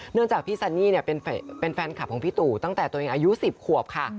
จากพี่ซันนี่เป็นแฟนคลับของพี่ตู่ตั้งแต่ตัวเองอายุ๑๐ขวบค่ะ